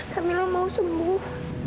kamu mau sembuh